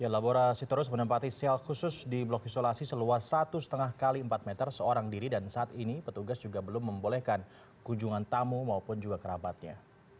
laborasi terus menempati sel khusus di blok isolasi seluas satu lima x empat meter seorang diri dan saat ini petugas juga belum membolehkan kunjungan tamu maupun juga kerabatnya